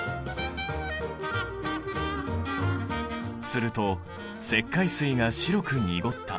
すると石灰水が白く濁った。